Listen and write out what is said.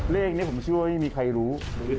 เลขนี้ผมเชื่อว่าไม่มีใครรู้